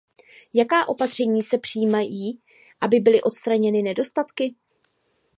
Jaká opatření se přijímají, aby byly odstraněny nedostatky?